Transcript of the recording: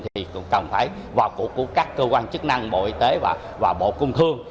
thì cũng cần phải vào cục của các cơ quan chức năng bộ y tế và bộ cung thương